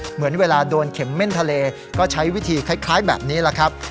เหมือนเวลาโดนเข็มเม่นทะเลก็ใช้วิธีคล้ายแบบนี้แหละครับ